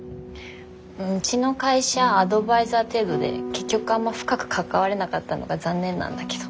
うちの会社アドバイザー程度で結局あんま深く関われなかったのが残念なんだけど。